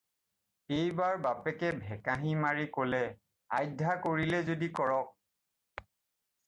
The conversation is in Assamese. "এইবাৰ বাপেকে ভেঁকাহি মাৰি ক'লে, “আধ্যা কৰিলে যদি কৰক"